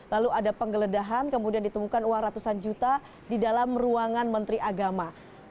lalu ada penggeledahan kemudian ditemukan uang ratusan juta di dalam ruangan menteri agama